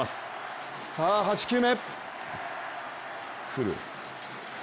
８球目。